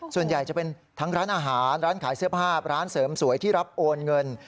ส่วนใหญ่จะเป็นทั้งร้านอาหารร้านขายเสื้อผ้าร้านเสริมสวยที่รับโอนเงิน